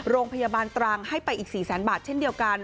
โรงพยาบาลตรังให้ไปอีก๔แสนบาทเช่นเดียวกัน